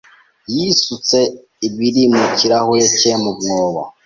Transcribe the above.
yasutse ibiri mu kirahure cye mu mwobo.